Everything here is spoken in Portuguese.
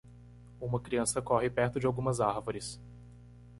Uma criança corre perto de algumas árvores.